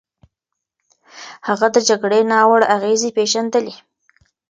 هغه د جګړې ناوړه اغېزې پېژندلې.